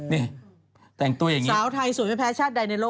มีคนมองนางไม๊อีกชัวร์สุดแล้วใช่ไหมนี่